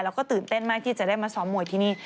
แล้วก็ตื่นเต้นมากที่จะได้มาซ้อมมวยที่นี่